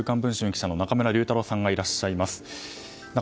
「週刊文春」の中村竜太郎さんがいらっしゃいます。